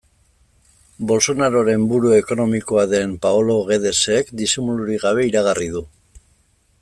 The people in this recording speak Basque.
Bolsonaroren buru ekonomikoa den Paolo Guedesek disimulurik gabe iragarri du.